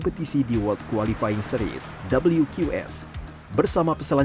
jadi saya harap saya bisa menang